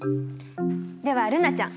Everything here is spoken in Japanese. では瑠菜ちゃん。